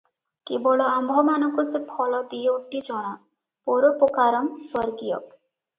କେବଳ ଆମ୍ଭମାନଙ୍କୁ ସେ ଫଳ ଦିଓଟି ଜଣା 'ପରୋପକାରଂ ସ୍ୱର୍ଗୀୟ' ।